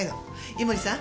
井森さん